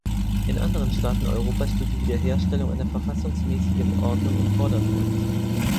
In anderen Staaten Europas steht die Wiederherstellung einer verfassungsmäßigen Ordnung im Vordergrund.